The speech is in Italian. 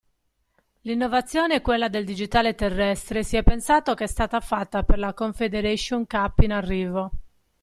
L' innovazione è quella del digitale terrestre e si è pensato che è stata fatta per la Confederation Cup in arrivo.